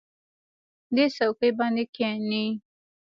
دې څوکۍ باندې کېنئ.